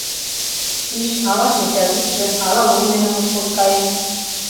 Шӱч ала шинчавӱдшӧ, ала лум дене мушкылт каен.